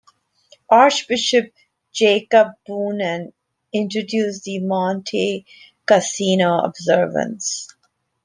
Archbishop Jacob Boonen introduced the Monte Cassino observance.